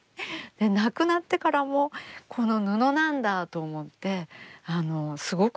亡くなってからもこの布なんだと思ってすごく感動しました。